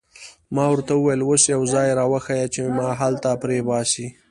ما ورته وویل: اوس یو ځای را وښیه چې ما هلته پرېباسي.